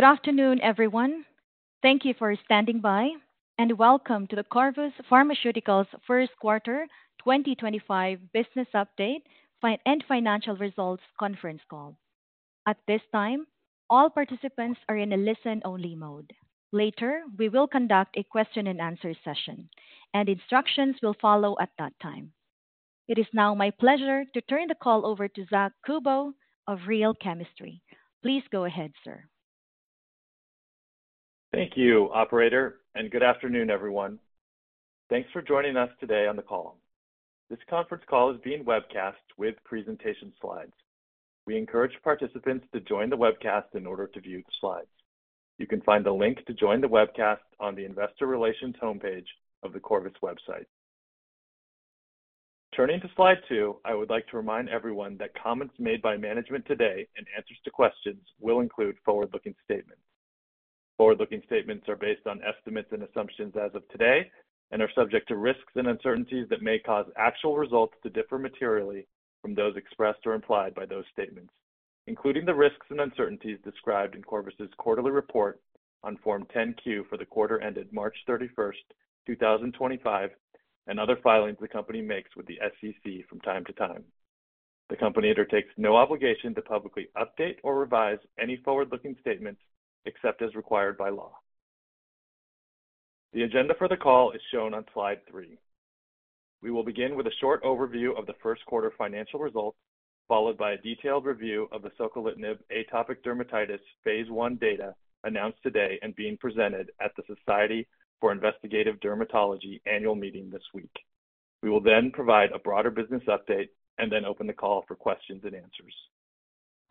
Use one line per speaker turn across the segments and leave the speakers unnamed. Good afternoon, everyone. Thank you for standing by, and welcome to the Corvus Pharmaceuticals First Quarter 2025 Business Update and Financial Results Conference Call. At this time, all participants are in a listen-only mode. Later, we will conduct a question-and-answer session, and instructions will follow at that time. It is now my pleasure to turn the call over to Zack Kubow of Real Chemistry. Please go ahead, sir.
Thank you, Operator, and good afternoon, everyone. Thanks for joining us today on the call. This conference call is being webcast with presentation slides. We encourage participants to join the webcast in order to view the slides. You can find the link to join the webcast on the Investor Relations homepage of the Corvus website. Turning to slide two, I would like to remind everyone that comments made by management today and answers to questions will include forward-looking statements. Forward-looking statements are based on estimates and assumptions as of today and are subject to risks and uncertainties that may cause actual results to differ materially from those expressed or implied by those statements, including the risks and uncertainties described in Corvus' quarterly report on Form 10Q for the quarter ended March 31st, 2025, and other filings the company makes with the SEC from time to time. The company undertakes no obligation to publicly update or revise any forward-looking statements except as required by law. The agenda for the call is shown on slide three. We will begin with a short overview of the first quarter financial results, followed by a detailed review of the Soquelitinib atopic dermatitis phase I data announced today and being presented at the Society for Investigative Dermatology annual meeting this week. We will then provide a broader business update and then open the call for questions and answers.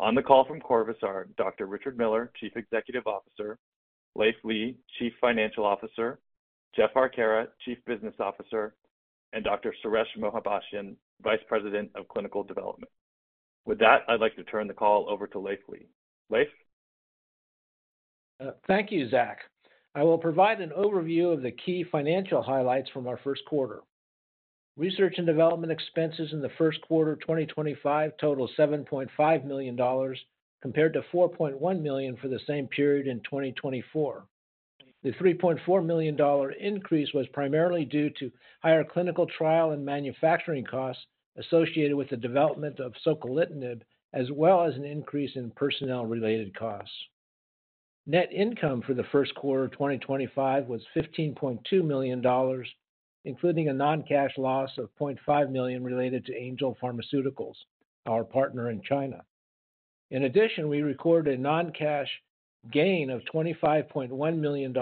On the call from Corvus are Dr. Richard Miller, Chief Executive Officer, Leiv Lea, Chief Financial Officer, Jeff Arcara, Chief Business Officer, and Dr. Suresh Mahabhashyam, Vice President of Clinical Development. With that, I'd like to turn the call over to Leiv Lea. Leiv.
Thank you, Zack. I will provide an overview of the key financial highlights from our first quarter. Research and development expenses in the first quarter of 2025 total $7.5 million, compared to $4.1 million for the same period in 2024. The $3.4 million increase was primarily due to higher clinical trial and manufacturing costs associated with the development of Soquelitinib, as well as an increase in personnel-related costs. Net income for the first quarter of 2025 was $15.2 million, including a non-cash loss of $0.5 million related to Angel Pharmaceuticals, our partner in China. In addition, we recorded a non-cash gain of $25.1 million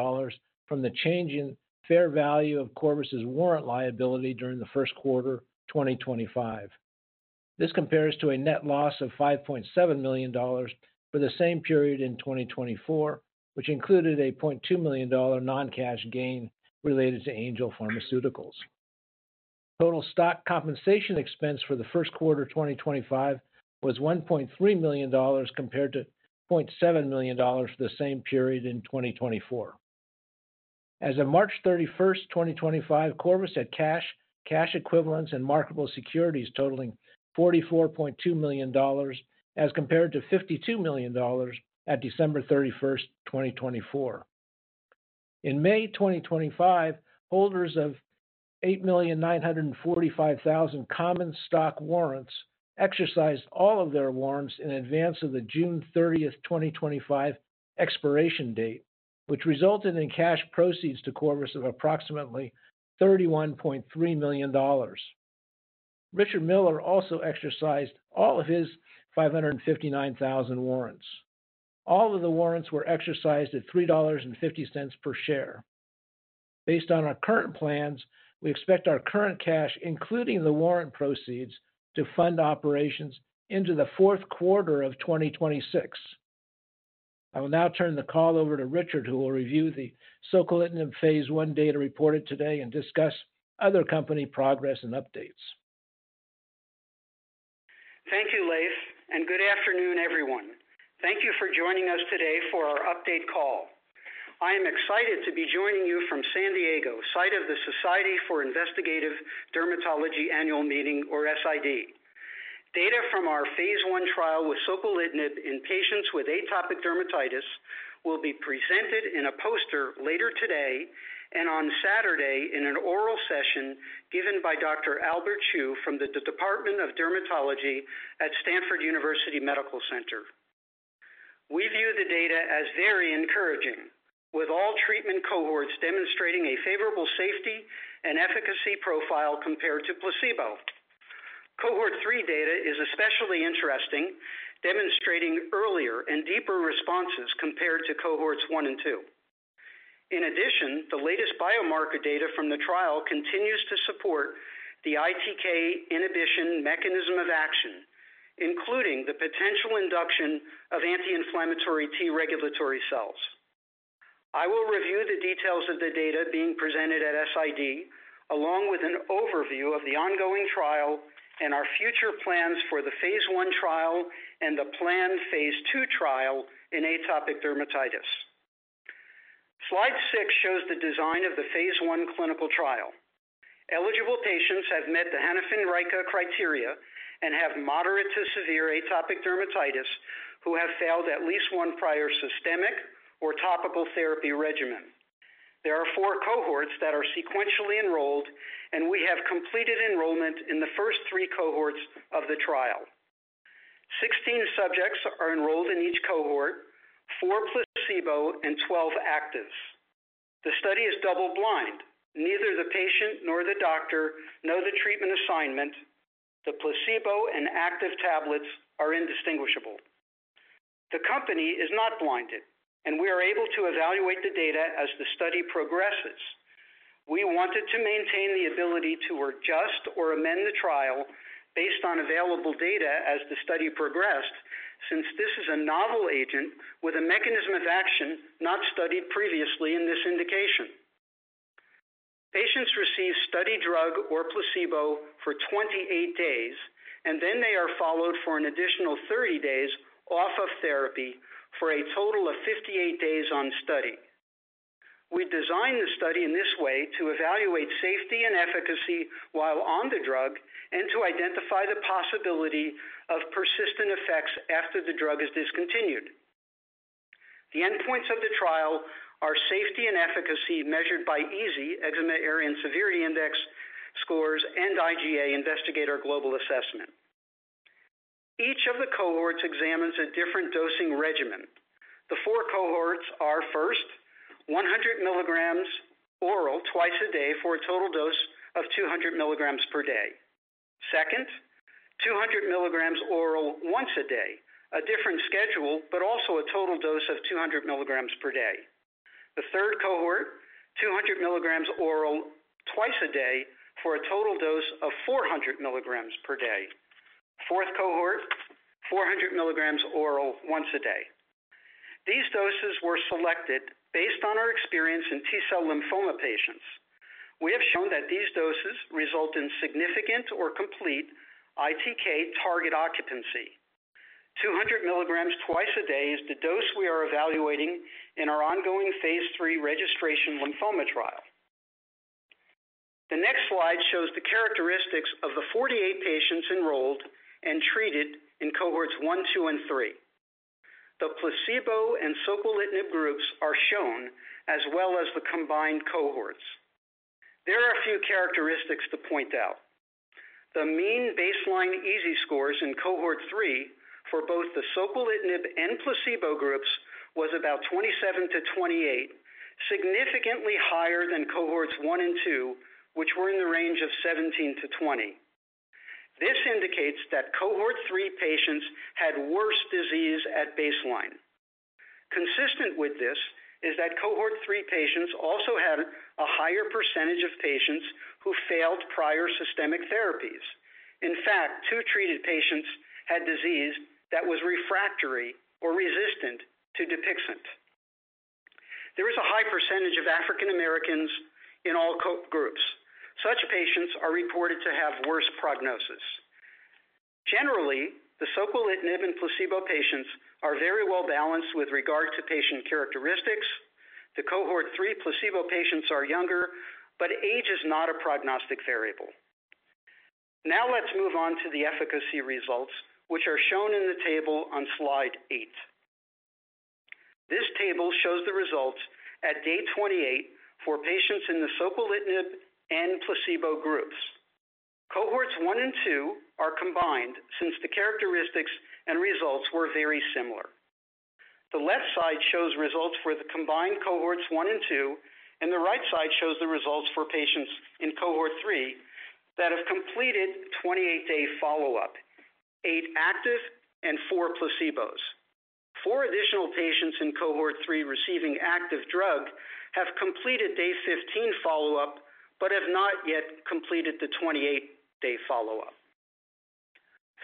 from the change in fair value of Corvus' warrant liability during the first quarter of 2025. This compares to a net loss of $5.7 million for the same period in 2024, which included a $0.2 million non-cash gain related to Angel Pharmaceuticals. Total stock compensation expense for the first quarter of 2025 was $1.3 million, compared to $0.7 million for the same period in 2024. As of March 31st, 2025, Corvus had cash, cash equivalents, and marketable securities totaling $44.2 million, as compared to $52 million at December 31st, 2024. In May 2025, holders of 8,945,000 common stock warrants exercised all of their warrants in advance of the June 30th, 2025, expiration date, which resulted in cash proceeds to Corvus of approximately $31.3 million. Richard Miller also exercised all of his 559,000 warrants. All of the warrants were exercised at $3.50 per share. Based on our current plans, we expect our current cash, including the warrant proceeds, to fund operations into the fourth quarter of 2026. I will now turn the call over to Richard, who will review the Soquelitinib phase I data reported today and discuss other company progress and updates.
Thank you, Leiv, and good afternoon, everyone. Thank you for joining us today for our update call. I am excited to be joining you from San Diego, site of the Society for Investigative Dermatology annual meeting, or SID. Data from our phase I trial with soquelitinib in patients with atopic dermatitis will be presented in a poster later today and on Saturday in an oral session given by Dr. Albert Chu from the Department of Dermatology at Stanford University Medical Center. We view the data as very encouraging, with all treatment cohorts demonstrating a favorable safety and efficacy profile compared to placebo. Cohort three data is especially interesting, demonstrating earlier and deeper responses compared to cohorts one and two. In addition, the latest biomarker data from the trial continues to support the ITK inhibition mechanism of action, including the potential induction of anti-inflammatory T regulatory cells. I will review the details of the data being presented at SID, along with an overview of the ongoing trial and our future plans for the phase I trial and the planned phase II trial in atopic dermatitis. Slide six shows the design of the phase I clinical trial. Eligible patients have met the Hanifin and Rajka criteria and have moderate to severe atopic dermatitis who have failed at least one prior systemic or topical therapy regimen. There are four cohorts that are sequentially enrolled, and we have completed enrollment in the first three cohorts of the trial. 16 subjects are enrolled in each cohort, four placebo and 12 actives. The study is double-blind. Neither the patient nor the doctor nor the treatment assignment, the placebo and active tablets, are indistinguishable. The company is not blinded, and we are able to evaluate the data as the study progresses. We wanted to maintain the ability to adjust or amend the trial based on available data as the study progressed, since this is a novel agent with a mechanism of action not studied previously in this indication. Patients receive study drug or placebo for 28 days, and then they are followed for an additional 30 days off of therapy for a total of 58 days on study. We designed the study in this way to evaluate safety and efficacy while on the drug and to identify the possibility of persistent effects after the drug is discontinued. The endpoints of the trial are safety and efficacy measured by EASI, Eczema Area and Severity Index scores, and IGA, Investigator's Global Assessment. Each of the cohorts examines a different dosing regimen. The four cohorts are first, 100 mg oral twice a day for a total dose of 200 mg per day. Second, 200 mg oral once a day, a different schedule, but also a total dose of 200 mg per day. The third cohort, 200 mg oral twice a day for a total dose of 400 mg per day. Fourth cohort, 400 mg oral once a day. These doses were selected based on our experience in T-cell lymphoma patients. We have shown that these doses result in significant or complete ITK target occupancy. 200 mg twice a day is the dose we are evaluating in our ongoing phase III registration lymphoma trial. The next slide shows the characteristics of the 48 patients enrolled and treated in cohorts one, two, and three. The placebo and Soquelitinib groups are shown, as well as the combined cohorts. There are a few characteristics to point out. The mean baseline EASI scores in cohort three for both the Soquelitinib and placebo groups was about 27-28, significantly higher than cohorts one and two, which were in the range of 17-20. This indicates that cohort three patients had worse disease at baseline. Consistent with this is that cohort three patients also had a higher % of patients who failed prior systemic therapies. In fact, two treated patients had disease that was refractory or resistant to DUPIXENT. There is a high percentage of African Americans in all groups. Such patients are reported to have worse prognosis. Generally, the Soquelitinib and placebo patients are very well balanced with regard to patient characteristics. The cohort three placebo patients are younger, but age is not a prognostic variable. Now let's move on to the efficacy results, which are shown in the table on slide eight. This table shows the results at day 28 for patients in the Soquelitinib and placebo groups. Cohorts one and two are combined since the characteristics and results were very similar. The left side shows results for the combined cohorts one and two, and the right side shows the results for patients in cohort three that have completed 28-day follow-up, eight active and four placebos. Four additional patients in cohort three receiving active drug have completed day 15 follow-up but have not yet completed the 28-day follow-up.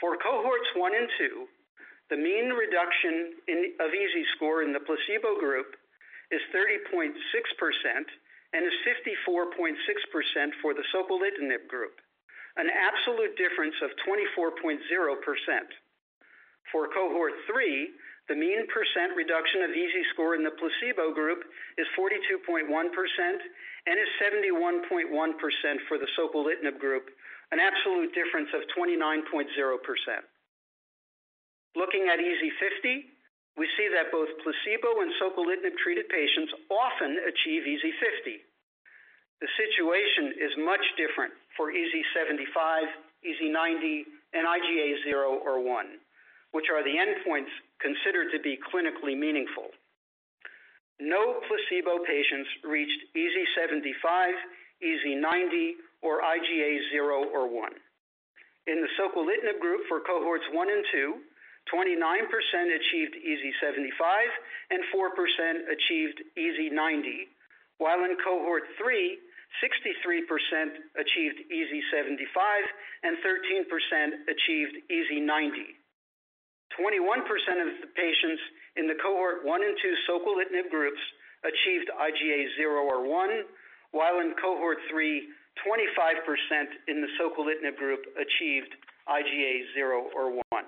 For cohorts one and two, the mean reduction of EASI score in the placebo group is 30.6% and is 54.6% for the Soquelitinib group, an absolute difference of 24.0%. For cohort three, the mean percent reduction of EASI score in the placebo group is 42.1% and is 71.1% for the Soquelitinib group, an absolute difference of 29.0%. Looking at EASI 50, we see that both placebo and Soquelitinib treated patients often achieve EASI 50. The situation is much different for EASI 75, EASI 90, and IGA zero or one, which are the endpoints considered to be clinically meaningful. No placebo patients reached EASI 75, EASI 90, or IGA zero or one. In the Soquelitinib group for cohorts one and two, 29% achieved EASI 75 and 4% achieved EASI 90, while in cohort three, 63% achieved EASI 75 and 13% achieved EASI 90. 21% of the patients in the cohort one and two Soquelitinib groups achieved IGA zero or one, while in cohort three, 25% in the Soquelitinib group achieved IGA zero or one.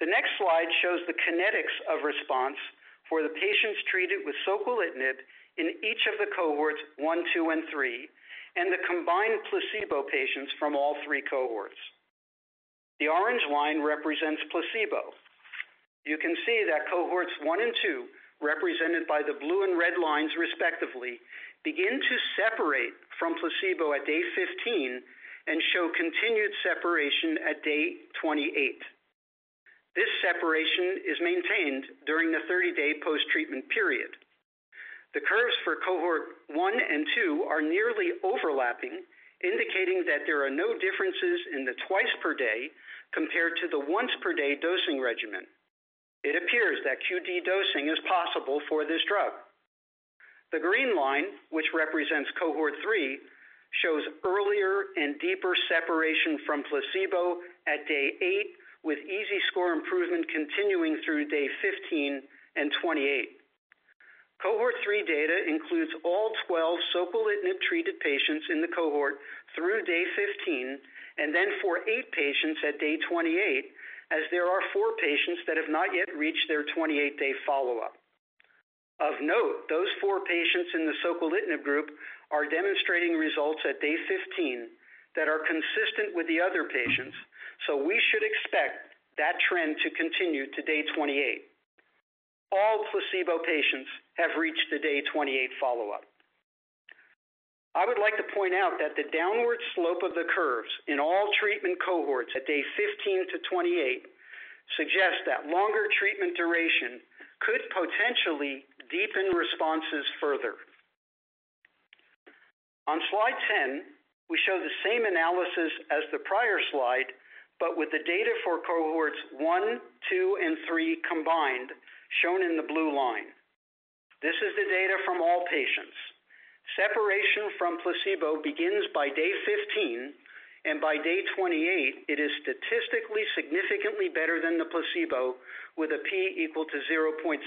The next slide shows the kinetics of response for the patients treated with Soquelitinib in each of the cohorts one, two, and three, and the combined placebo patients from all three cohorts. The orange line represents placebo. You can see that cohorts one and two, represented by the blue and red lines respectively, begin to separate from placebo at day 15 and show continued separation at day 28. This separation is maintained during the 30-day post-treatment period. The curves for cohort one and two are nearly overlapping, indicating that there are no differences in the twice per day compared to the once per day dosing regimen. It appears that QD dosing is possible for this drug. The green line, which represents cohort three, shows earlier and deeper separation from placebo at day eight, with EASI score improvement continuing through day 15 and 28. Cohort three data includes all 12 Soquelitinib treated patients in the cohort through day 15 and then for eight patients at day 28, as there are four patients that have not yet reached their 28-day follow-up. Of note, those four patients in the Soquelitinib group are demonstrating results at day 15 that are consistent with the other patients, so we should expect that trend to continue to day 28. All placebo patients have reached the day 28 follow-up. I would like to point out that the downward slope of the curves in all treatment cohorts at day 15 to 28 suggests that longer treatment duration could potentially deepen responses further. On slide 10, we show the same analysis as the prior slide, but with the data for cohorts one, two, and three combined, shown in the blue line. This is the data from all patients. Separation from placebo begins by day 15, and by day 28, it is statistically significantly better than the placebo with a p equal to 0.03.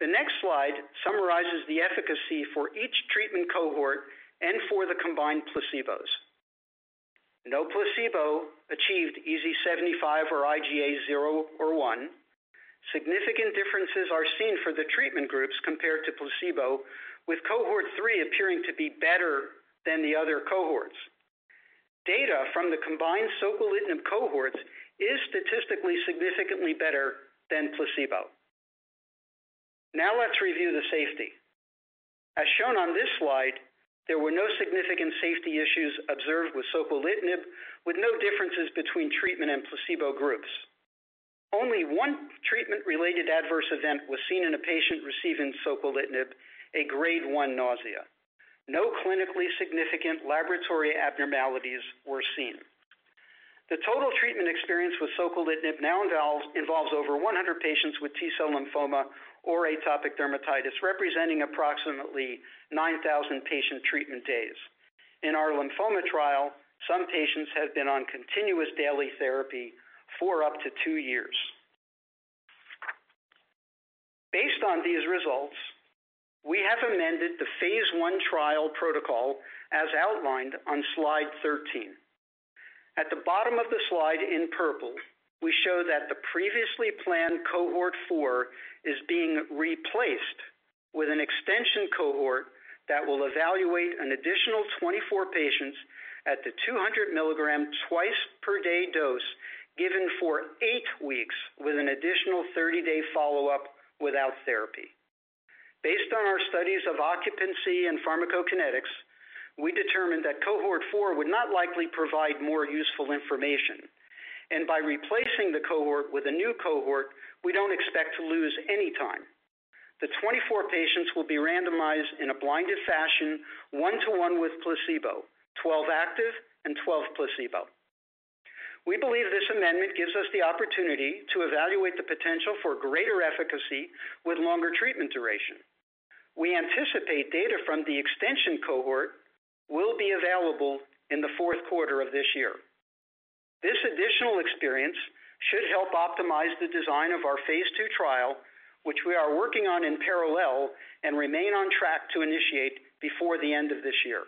The next slide summarizes the efficacy for each treatment cohort and for the combined placebos. No placebo achieved EASI 75 or IGA zero or one. Significant differences are seen for the treatment groups compared to placebo, with cohort three appearing to be better than the other cohorts. Data from the combined Soquelitinib cohorts is statistically significantly better than placebo. Now let's review the safety. As shown on this slide, there were no significant safety issues observed with Soquelitinib, with no differences between treatment and placebo groups. Only one treatment-related adverse event was seen in a patient receiving Soquelitinib, a grade one nausea. No clinically significant laboratory abnormalities were seen. The total treatment experience with Soquelitinib now involves over 100 patients with T-cell lymphoma or atopic dermatitis, representing approximately 9,000 patient treatment days. In our lymphoma trial, some patients have been on continuous daily therapy for up to two years. Based on these results, we have amended the phase I trial protocol as outlined on slide 13. At the bottom of the slide in purple, we show that the previously planned cohort four is being replaced with an extension cohort that will evaluate an additional 24 patients at the 200 mg twice per day dose given for eight weeks with an additional 30-day follow-up without therapy. Based on our studies of occupancy and pharmacokinetics, we determined that cohort four would not likely provide more useful information. By replacing the cohort with a new cohort, we do not expect to lose any time. The 24 patients will be randomized in a blinded fashion, one to one with placebo, 12 active and 12 placebo. We believe this amendment gives us the opportunity to evaluate the potential for greater efficacy with longer treatment duration. We anticipate data from the extension cohort will be available in the fourth quarter of this year. This additional experience should help optimize the design of our phase ii trial, which we are working on in parallel and remain on track to initiate before the end of this year.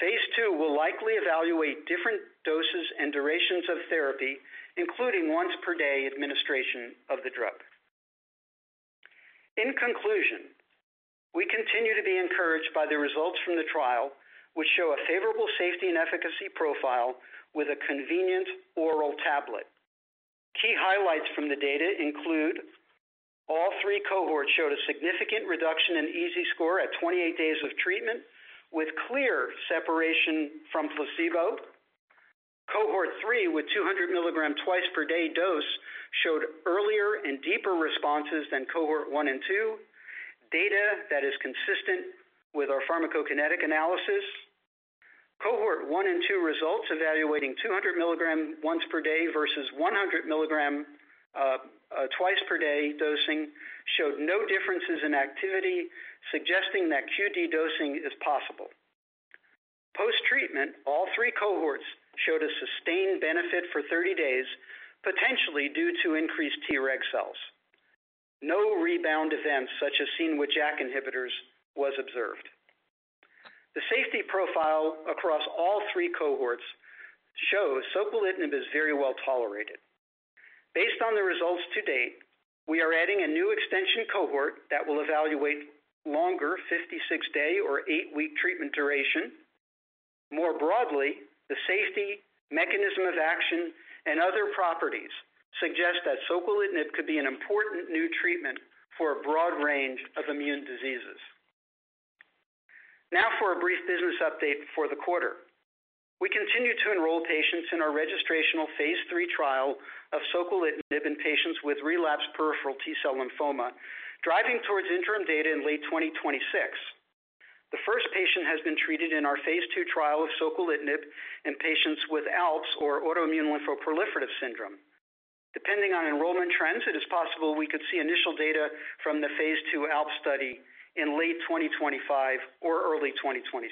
Phase II will likely evaluate different doses and durations of therapy, including once per day administration of the drug. In conclusion, we continue to be encouraged by the results from the trial, which show a favorable safety and efficacy profile with a convenient oral tablet. Key highlights from the data include all three cohorts showed a significant reduction in EASI score at 28 days of treatment, with clear separation from placebo. Cohort three with 200 mg twice per day dose showed earlier and deeper responses than cohort one and two. Data that is consistent with our pharmacokinetic analysis. Cohort one and two results evaluating 200 mg once per day versus 100 mg twice per day dosing showed no differences in activity, suggesting that QD dosing is possible. Post-treatment, all three cohorts showed a sustained benefit for 30 days, potentially due to increased Treg cells. No rebound events such as seen with JAK inhibitors were observed. The safety profile across all three cohorts shows Soquelitinib is very well tolerated. Based on the results to date, we are adding a new extension cohort that will evaluate longer 56-day or eight-week treatment duration. More broadly, the safety, mechanism of action, and other properties suggest that Soquelitinib could be an important new treatment for a broad range of immune diseases. Now for a brief business update for the quarter. We continue to enroll patients in our registrational phase III trial of soquelitinib in patients with relapsed peripheral T-cell lymphoma, driving towards interim data in late 2026. The first patient has been treated in our phase II trial of Soquelitinib in patients with ALPS or autoimmune lymphoproliferative syndrome. Depending on enrollment trends, it is possible we could see initial data from the phase two ALPS study in late 2025 or early 2026.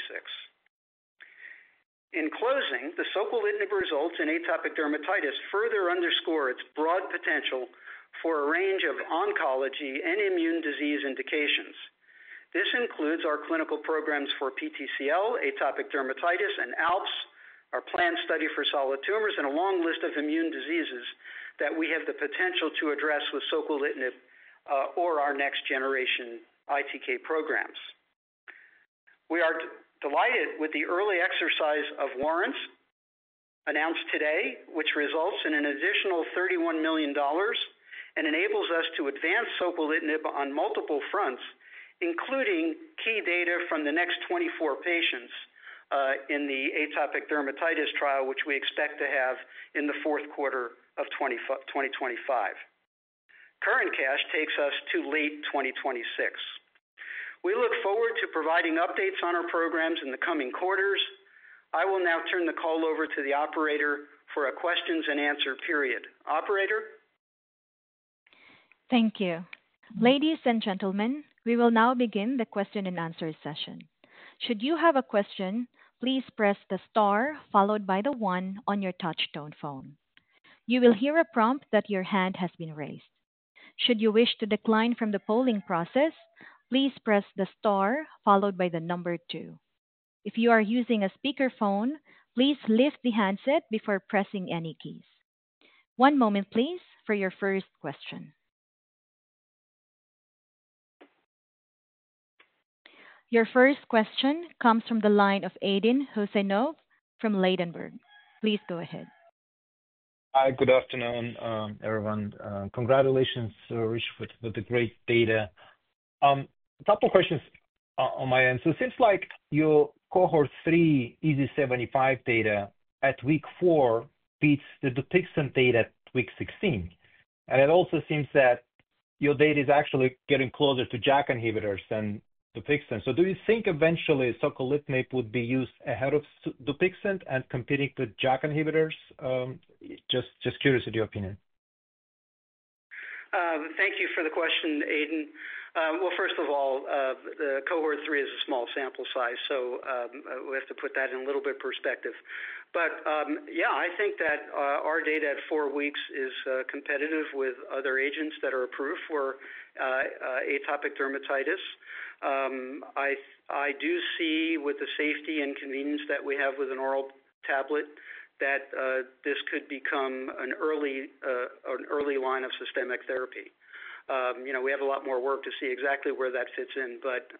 In closing, the Soquelitinib results in atopic dermatitis further underscore its broad potential for a range of oncology and immune disease indications. This includes our clinical programs for PTCL, atopic dermatitis and ALPS, our planned study for solid tumors, and a long list of immune diseases that we have the potential to address with Soquelitinib or our next generation ITK programs. We are delighted with the early exercise of warrants announced today, which results in an additional $31 million and enables us to advance Soquelitinib on multiple fronts, including key data from the next 24 patients in the atopic dermatitis trial, which we expect to have in the fourth quarter of 2025. Current cash takes us to late 2026. We look forward to providing updates on our programs in the coming quarters. I will now turn the call over to the operator for a question and answer period. Operator.
Thank you. Ladies and gentlemen, we will now begin the question and answer session. Should you have a question, please press the star followed by the one on your touch-tone phone. You will hear a prompt that your hand has been raised. Should you wish to decline from the polling process, please press the star followed by the number two. If you are using a speakerphone, please lift the handset before pressing any keys. One moment, please, for your first question. Your first question comes from the line of Aydin Huseynov from Ladenburg. Please go ahead.
Hi, good afternoon, everyone. Congratulations, Richard, for the great data. A couple of questions on my end. It seems like your cohort three EASI 75 data at week four beats the DUPIXENT data at week 16. It also seems that your data is actually getting closer to JAK inhibitors than DUPIXENT. Do you think eventually Soquelitinib would be used ahead of DUPIXENT and competing with JAK inhibitors? Just curious of your opinion.
Thank you for the question, Ayden. First of all, the cohort three is a small sample size, so we have to put that in a little bit of perspective. Yeah, I think that our data at four weeks is competitive with other agents that are approved for atopic dermatitis. I do see with the safety and convenience that we have with an oral tablet that this could become an early line of systemic therapy. We have a lot more work to see exactly where that fits in, but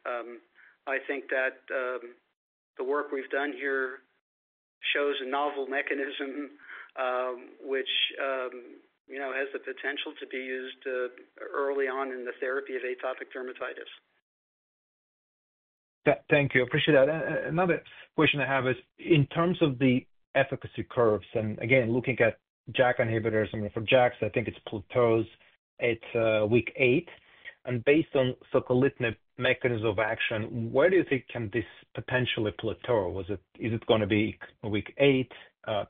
I think that the work we've done here shows a novel mechanism which has the potential to be used early on in the therapy of atopic dermatitis.
Thank you. Appreciate that. Another question I have is in terms of the efficacy curves, and again, looking at JAK inhibitors, for JAKs, I think it plateaus at week eight. Based on soquelitinib mechanism of action, where do you think can this potentially plateau? Is it going to be week eight,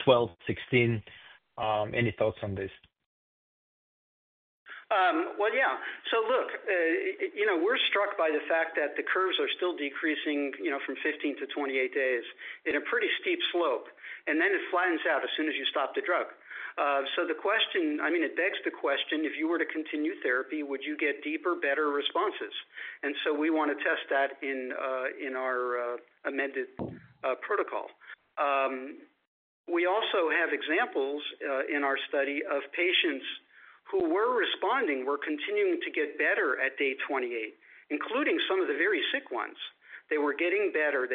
12, 16? Any thoughts on this?
Yeah. Look, we're struck by the fact that the curves are still decreasing from 15 to 28 days in a pretty steep slope, and then it flattens out as soon as you stop the drug. The question, I mean, it begs the question, if you were to continue therapy, would you get deeper, better responses? We want to test that in our amended protocol. We also have examples in our study of patients who were responding, were continuing to get better at day 28, including some of the very sick ones. They were getting better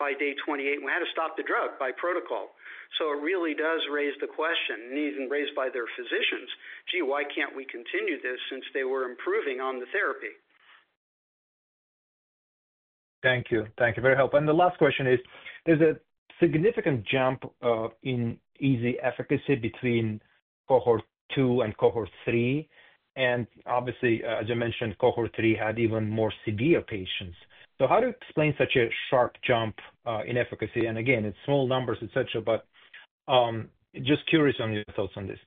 by day 28 when we had to stop the drug by protocol. It really does raise the question, and even raised by their physicians, "Gee, why can't we continue this since they were improving on the therapy?"
Thank you. Thank you. Very helpful. The last question is, there's a significant jump in EASI efficacy between cohort two and cohort three. Obviously, as you mentioned, cohort three had even more severe patients. How do you explain such a sharp jump in efficacy? Again, it's small numbers, et cetera, but just curious on your thoughts on this.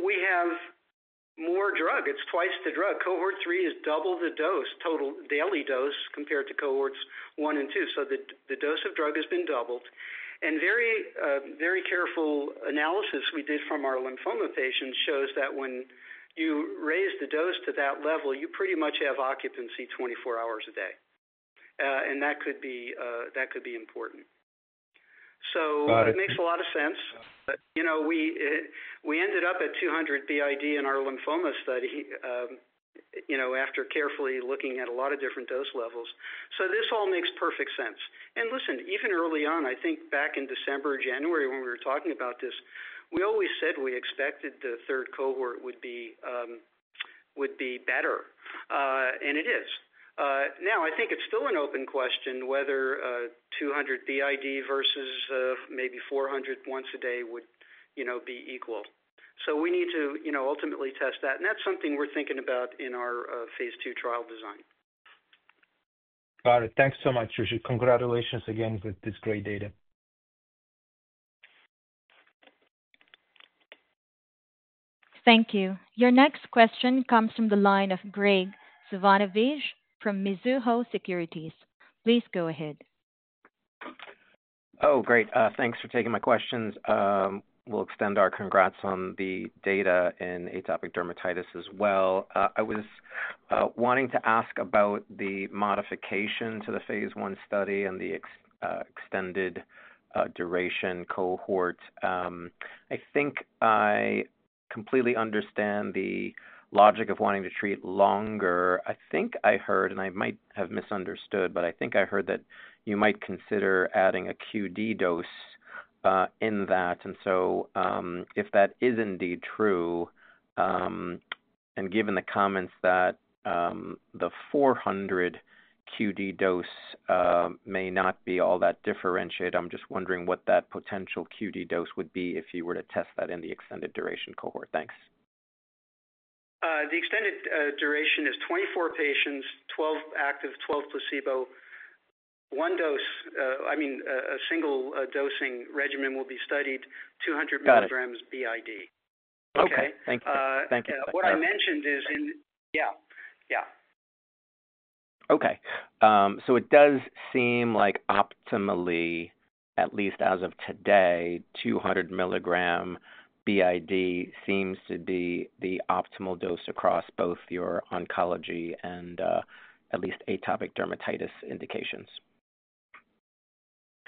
We have more drug. It's twice the drug. Cohort three is double the dose, total daily dose compared to cohorts one and two. The dose of drug has been doubled. Very careful analysis we did from our lymphoma patients shows that when you raise the dose to that level, you pretty much have occupancy 24 hours a day. That could be important. It makes a lot of sense. We ended up at 200 BID in our lymphoma study after carefully looking at a lot of different dose levels. This all makes perfect sense. Listen, even early on, I think back in December, January, when we were talking about this, we always said we expected the third cohort would be better. It is. I think it's still an open question whether 200 BID versus maybe 400 once a day would be equal. We need to ultimately test that. That's something we're thinking about in our phase II trial design.
Got it. Thanks so much, Richard. Congratulations again with this great data.
Thank you. Your next question comes from the line of Graig Suvannavejh from Mizuho Securities. Please go ahead.
Great. Thanks for taking my questions. We'll extend our congrats on the data in atopic dermatitis as well. I was wanting to ask about the modification to the phase I study and the extended duration cohort. I think I completely understand the logic of wanting to treat longer. I think I heard, and I might have misunderstood, but I think I heard that you might consider adding a QD dose in that. If that is indeed true, and given the comments that the 400 QD dose may not be all that differentiated, I'm just wondering what that potential QD dose would be if you were to test that in the extended duration cohort. Thanks.
The extended duration is 24 patients, 12 active, 12 placebo. One dose, I mean, a single dosing regimen will be studied, 200 mg BID. Okay. Thank you. Thank you. What I mentioned is in. Yeah. Yeah.
Okay. It does seem like optimally, at least as of today, 200 mg BID seems to be the optimal dose across both your oncology and at least atopic dermatitis indications.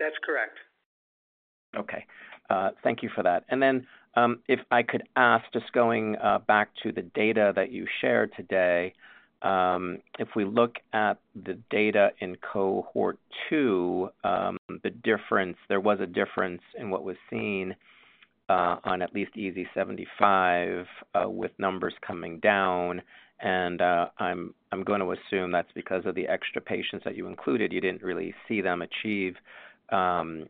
That's correct.
Okay. Thank you for that. If I could ask, just going back to the data that you shared today, if we look at the data in cohort two, there was a difference in what was seen on at least EASI 75 with numbers coming down. I'm going to assume that's because of the extra patients that you included. You didn't really see them achieve EASI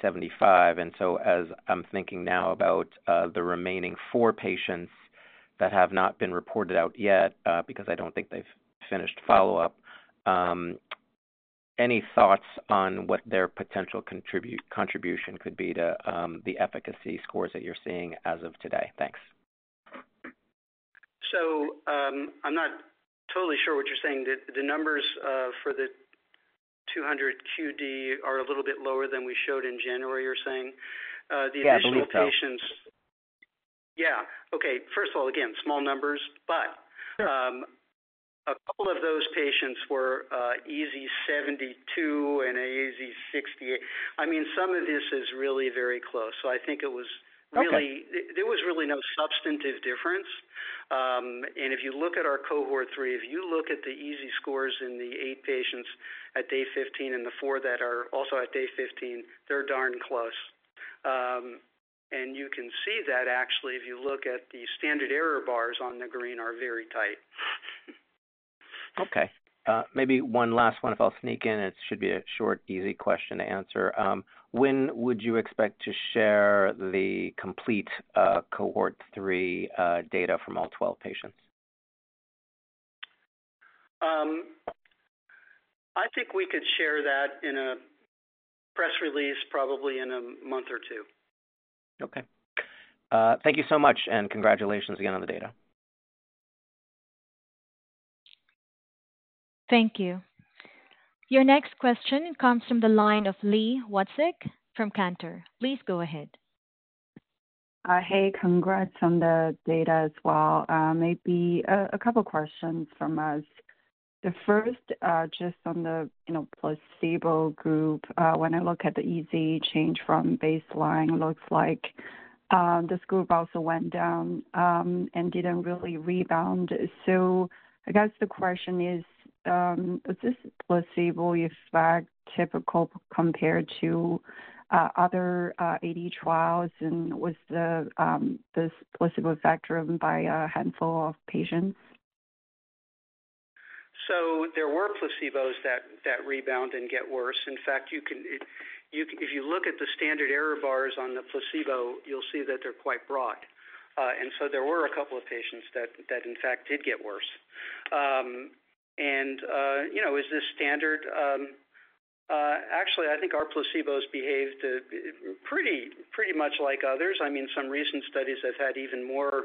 75. As I'm thinking now about the remaining four patients that have not been reported out yet because I don't think they've finished follow-up, any thoughts on what their potential contribution could be to the efficacy scores that you're seeing as of today? Thanks.
I'm not totally sure what you're saying. The numbers for the 200 QD are a little bit lower than we showed in January, you're saying. The additional patients. Yeah. Okay. First of all, again, small numbers, but a couple of those patients were EASI 72 and EASI 68. I mean, some of this is really very close. I think it was really there was really no substantive difference. If you look at our cohort three, if you look at the EASI scores in the eight patients at day 15 and the four that are also at day 15, they're darn close. You can see that actually, if you look at the standard error bars on the green, are very tight.
Okay. Maybe one last one, if I'll sneak in. It should be a short, easy question to answer. When would you expect to share the complete cohort three data from all 12 patients?
I think we could share that in a press release, probably in a month or two.
Okay. Thank you so much, and congratulations again on the data.
Thank you. Your next question comes from the line of Lee Watzek from Cantor. Please go ahead.
Hey, congrats on the data as well. Maybe a couple of questions from us. The first, just on the placebo group, when I look at the EASI change from baseline, it looks like this group also went down and did not really rebound. I guess the question is, is this placebo effect typical compared to other AD trials and was this placebo effect driven by a handful of patients?
There were placebos that rebound and get worse. In fact, if you look at the standard error bars on the placebo, you will see that they are quite broad. There were a couple of patients that, in fact, did get worse. Is this standard? Actually, I think our placebos behaved pretty much like others. I mean, some recent studies have had even more,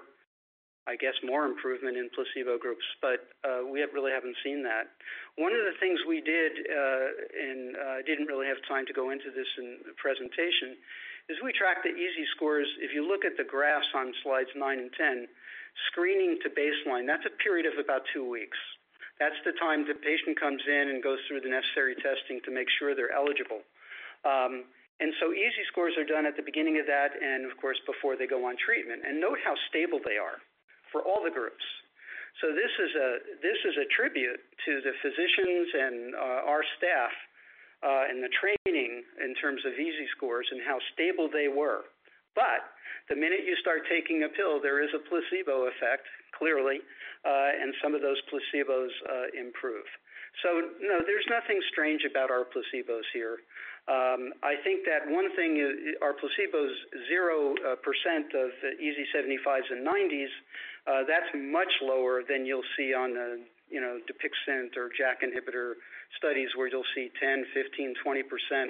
I guess, more improvement in placebo groups, but we really haven't seen that. One of the things we did, and I didn't really have time to go into this in the presentation, is we tracked the EASI scores. If you look at the graphs on slides nine and 10, screening to baseline, that's a period of about two weeks. That's the time the patient comes in and goes through the necessary testing to make sure they're eligible. EASI scores are done at the beginning of that and, of course, before they go on treatment. Note how stable they are for all the groups. This is a tribute to the physicians and our staff and the training in terms of EASI scores and how stable they were. The minute you start taking a pill, there is a placebo effect, clearly, and some of those placebos improve. No, there is nothing strange about our placebos here. I think that one thing, our placebos, 0% of EASI 75s and 90s, that is much lower than you will see on the DUPIXENT or JAK inhibitor studies where you will see 10%, 15%, 20%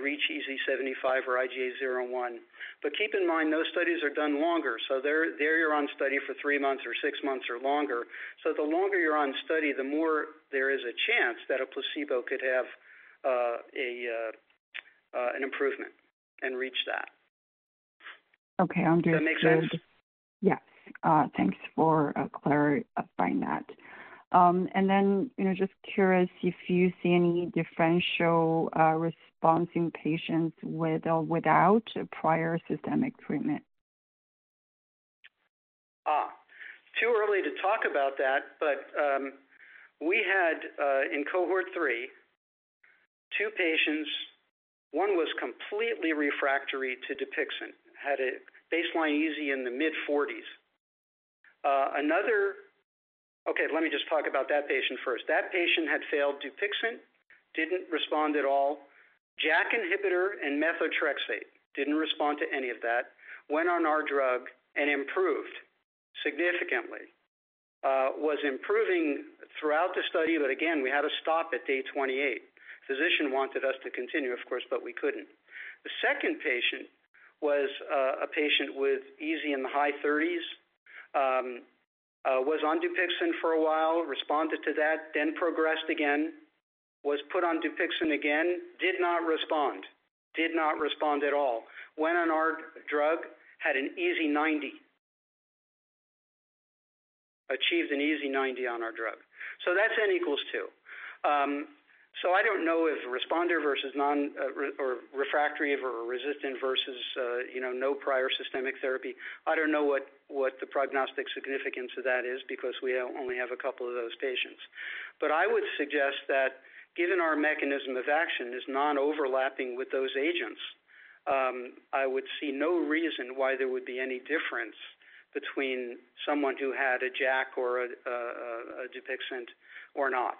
reach EASI 75 or IGA zero one. Keep in mind, those studies are done longer. There you are on study for three months or six months or longer. The longer you are on study, the more there is a chance that a placebo could have an improvement and reach that.
Okay. Understood.
That makes sense? Yes. Thanks for clarifying that. Just curious if you see any differential response in patients with or without prior systemic treatment. Too early to talk about that, but we had in cohort three, two patients, one was completely refractory to DUPIXENT, had a baseline EASI in the mid-40s. Okay, let me just talk about that patient first. That patient had failed DUPIXENT, didn't respond at all. JAK inhibitor and methotrexate didn't respond to any of that, went on our drug and improved significantly, was improving throughout the study, but again, we had to stop at day 28. Physician wanted us to continue, of course, but we couldn't. The second patient was a patient with EASI in the high 30s, was on DUPIXENT for a while, responded to that, then progressed again, was put on DUPIXENT again, did not respond, did not respond at all, went on our drug, had an EASI 90, achieved an EASI 90 on our drug. So that's N equals two. I don't know if responder versus non or refractory versus resistant versus no prior systemic therapy. I don't know what the prognostic significance of that is because we only have a couple of those patients. I would suggest that given our mechanism of action is non-overlapping with those agents, I would see no reason why there would be any difference between someone who had a JAK or a DUPIXENT or not.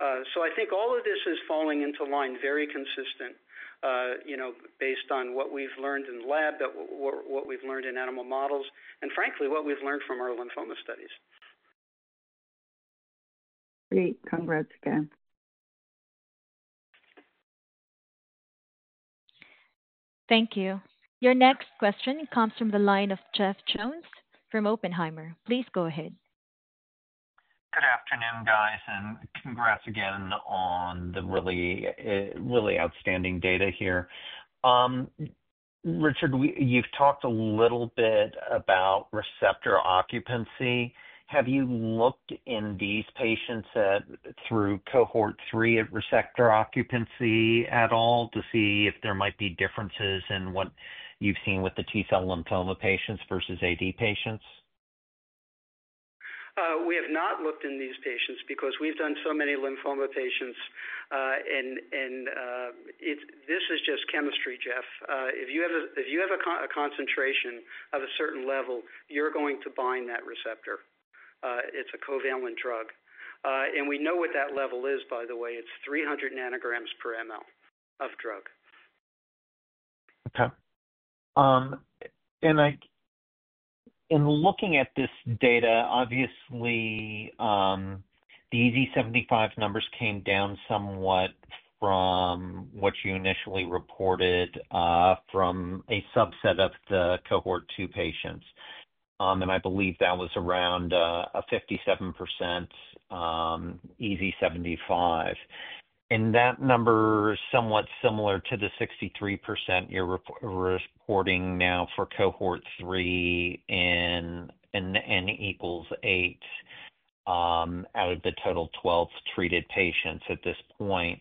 I think all of this is falling into line very consistent based on what we've learned in lab, what we've learned in animal models, and frankly, what we've learned from our lymphoma studies.
Great. Congrats again.
Thank you. Your next question comes from the line of Jeff Jones from Oppenheimer. Please go ahead.
Good afternoon, guys, and congrats again on the really outstanding data here. Richard, you've talked a little bit about receptor occupancy. Have you looked in these patients through cohort three at receptor occupancy at all to see if there might be differences in what you've seen with the T-cell lymphoma patients versus AD patients?
We have not looked in these patients because we've done so many lymphoma patients, and this is just chemistry, Jeff. If you have a concentration of a certain level, you're going to bind that receptor. It's a covalent drug. We know what that level is, by the way. It's 300 ng per ml of drug.
Okay. Looking at this data, obviously, the EASI 75 numbers came down somewhat from what you initially reported from a subset of the cohort two patients. I believe that was around a 57% EASI 75. That number is somewhat similar to the 63% you're reporting now for cohort three in n equals 8 out of the total 12 treated patients at this point.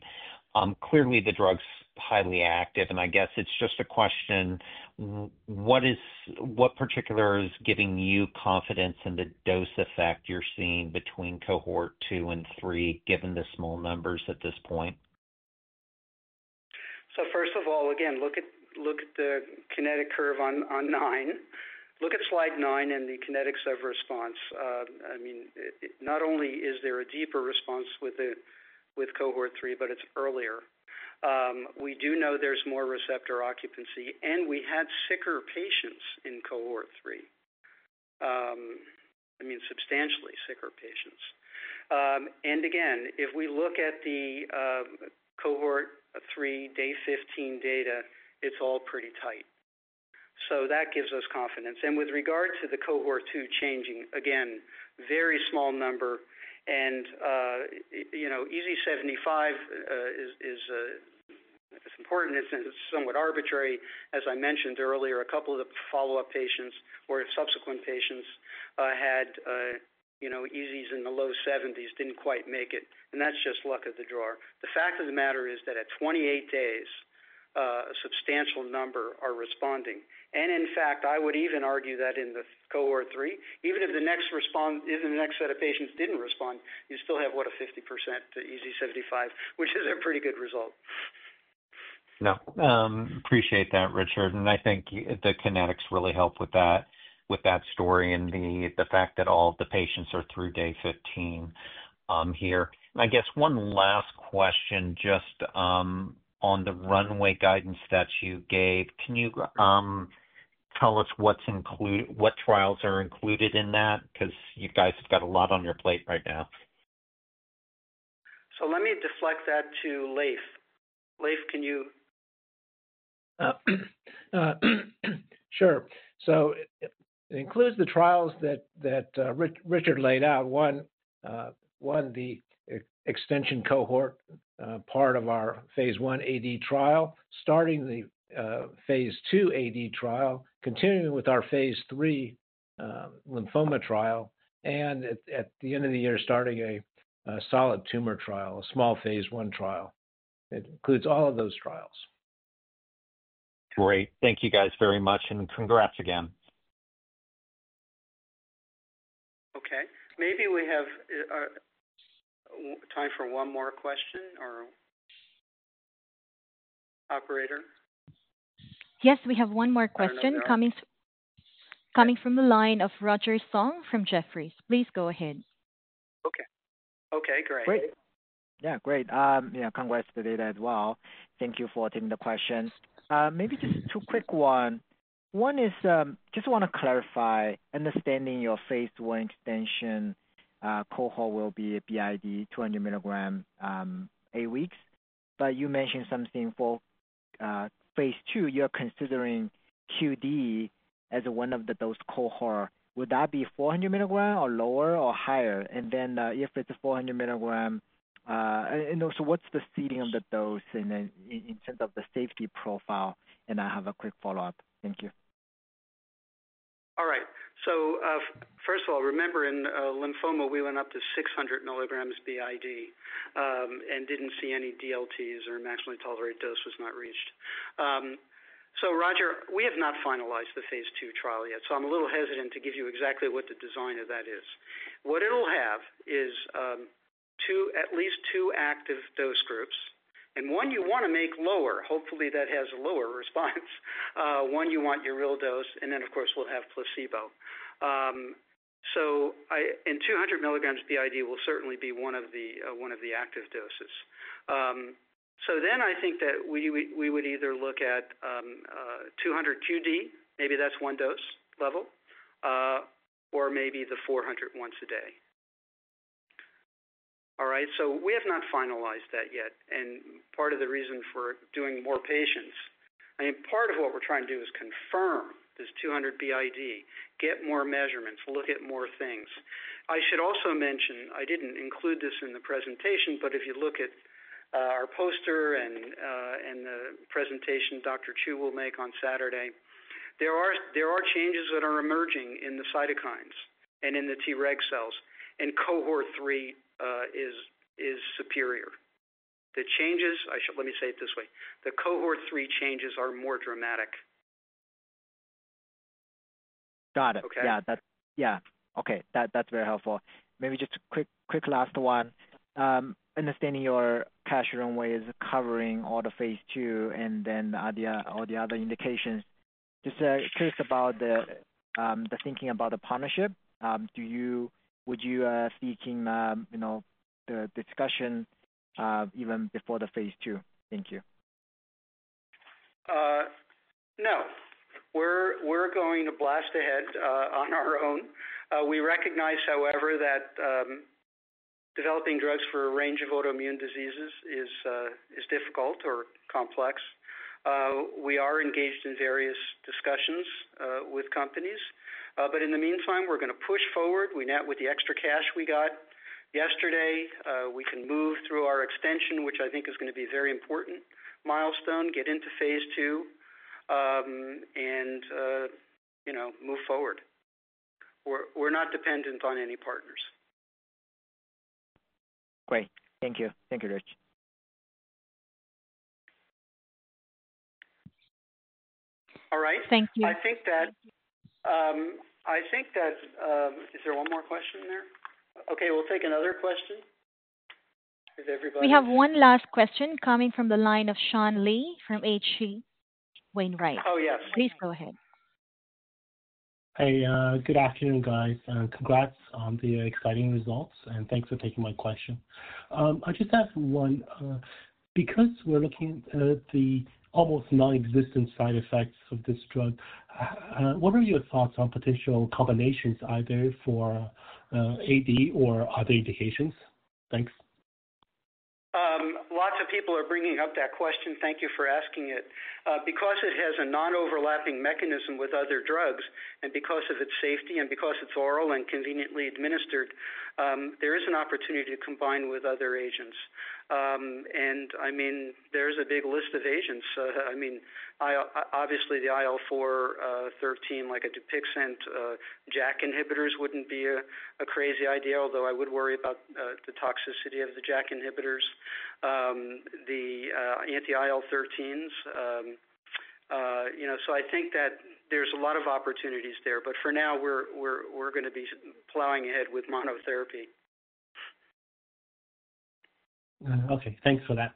Clearly, the drug's highly active, and I guess it's just a question, what particular is giving you confidence in the dose effect you're seeing between cohort two and three given the small numbers at this point?
First of all, again, look at the kinetic curve on nine. Look at slide nine and the kinetics of response. I mean, not only is there a deeper response with cohort three, but it's earlier. We do know there's more receptor occupancy, and we had sicker patients in cohort three. I mean, substantially sicker patients. Again, if we look at the cohort three day 15 data, it's all pretty tight. That gives us confidence. With regard to the cohort two changing, again, very small number. EASI 75 is important. It's somewhat arbitrary. As I mentioned earlier, a couple of the follow-up patients or subsequent patients had EASIs in the low 70s, didn't quite make it. That's just luck of the draw. The fact of the matter is that at 28 days, a substantial number are responding. In fact, I would even argue that in the cohort three, even if the next set of patients didn't respond, you still have, what, a 50% EASI 75, which is a pretty good result.
No. Appreciate that, Richard. I think the kinetics really help with that story and the fact that all of the patients are through day 15 here. I guess one last question just on the runway guidance that you gave. Can you tell us what trials are included in that? Because you guys have got a lot on your plate right now.
Let me deflect that to Leiv. Leiv, can you?
Sure. It includes the trials that Richard laid out. One, the extension cohort part of our phase I AD trial, starting the phase II AD trial, continuing with our phase III lymphoma trial, and at the end of the year, starting a solid tumor trial, a small phase I trial. It includes all of those trials.
Great. Thank you guys very much, and congrats again.
Maybe we have time for one more question or operator?
Yes, we have one more question coming from the line of Roger Song from Jefferies. Please go ahead.
Great. Yeah. Congrats to the data as well. Thank you for taking the question. Maybe just two quick ones. One is just want to clarify understanding your phase one extension cohort will be BID 200 mg eight weeks. You mentioned something for phase two, you're considering QD as one of those cohorts. Would that be 400 mg or lower or higher? If it's 400 mg, what's the ceiling of the dose in terms of the safety profile? I have a quick follow-up. Thank you.
All right. First of all, remember in lymphoma, we went up to 600 mg BID and did not see any DLTs or maximally tolerated dose was not reached. Roger, we have not finalized the phase two trial yet. I'm a little hesitant to give you exactly what the design of that is. What it'll have is at least two active dose groups. One you want to make lower. Hopefully, that has a lower response. One, you want your real dose. And then, of course, we'll have placebo. 200 mg BID will certainly be one of the active doses. I think that we would either look at 200 QD, maybe that's one dose level, or maybe the 400 once a day. All right. We have not finalized that yet. Part of the reason for doing more patients, I mean, part of what we're trying to do is confirm this 200 BID, get more measurements, look at more things. I should also mention, I didn't include this in the presentation, but if you look at our poster and the presentation Dr. Chu will make on Saturday, there are changes that are emerging in the cytokines and in the Treg cells, and cohort three is superior. The changes, let me say it this way, the cohort three changes are more dramatic.
Got it. Yeah. Okay. That's very helpful. Maybe just a quick last one. Understanding your cash runway is covering all the phase II and then all the other indications. Just curious about the thinking about the partnership. Would you be seeking the discussion even before the phase II? Thank you.
No. We're going to blast ahead on our own. We recognize, however, that developing drugs for a range of autoimmune diseases is difficult or complex. We are engaged in various discussions with companies. In the meantime, we're going to push forward. With the extra cash we got yesterday, we can move through our extension, which I think is going to be a very important milestone, get into phase II, and move forward. We're not dependent on any partners.
Great. Thank you. Thank you, Rich.
All right.
Thank you.
I think that is there one more question there? Okay. We'll take another question. Is everybody?
We have one last question coming from the line of Sean Lee from H.C. Wainwright. Oh, yes. Please go ahead.
Hey. Good afternoon, guys. Congrats on the exciting results, and thanks for taking my question. I just have one. Because we're looking at the almost nonexistent side effects of this drug, what are your thoughts on potential combinations either for AD or other indications? Thanks.
Lots of people are bringing up that question. Thank you for asking it. Because it has a non-overlapping mechanism with other drugs, and because of its safety, and because it's oral and conveniently administered, there is an opportunity to combine with other agents. I mean, there's a big list of agents. I mean, obviously, the IL-13, like a DUPIXENT, JAK inhibitors wouldn't be a crazy idea, although I would worry about the toxicity of the JAK inhibitors, the anti-IL-13s. I think that there's a lot of opportunities there. For now, we're going to be plowing ahead with monotherapy.
Okay. Thanks for that.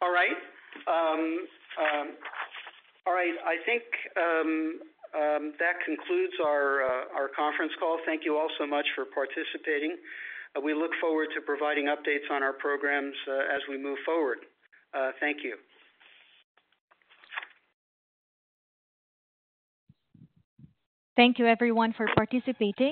All right. I think that concludes our conference call. Thank you all so much for participating. We look forward to providing updates on our programs as we move forward. Thank you.
Thank you, everyone, for participating.